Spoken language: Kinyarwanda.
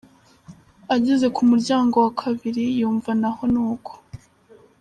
Ageze ku muryango wa kabiri yumva na ho ni uko.